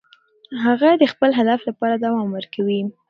هغه د خپل هدف لپاره دوام ورکوي.